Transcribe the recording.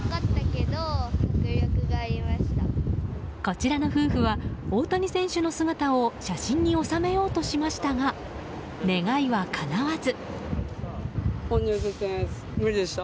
こちらの夫婦は大谷選手の姿を写真に収めようとしましたが願いはかなわず。